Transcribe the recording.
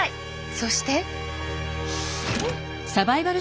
そして。